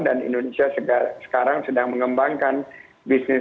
dan indonesia sekarang sedang mengembangkan bisnis berbeza